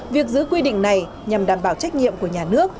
việc giữ quy định này nhằm đảm bảo trách nhiệm của nhà nước